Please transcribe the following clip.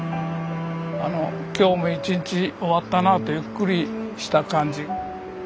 今日も一日終わったなあとゆっくりした感じ。